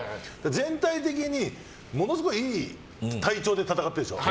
全体的にものすごいいい体調で戦ってるでしょ。